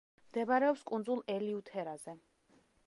მდებარეობს კუნძულ ელიუთერაზე.